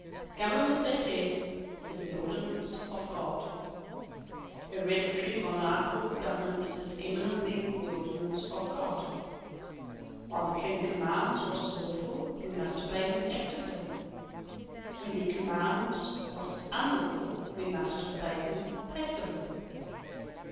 Government, they said, is the ordinance of God. Hereditary monarchical government is eminently the ordinance of God. While the King commands what is lawful we must obey him actively. When he commands what is unlawful we must obey him passively.